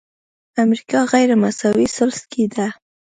امریکا غیرمساوي ثلث کې ده.